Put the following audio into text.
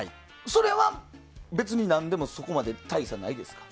それは、別に何でも。そこまで大差ないですか？